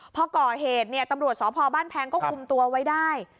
พอก่อเหตุเนี่ยตำรวจสพบ้านแพงก็คุมตัวไว้ได้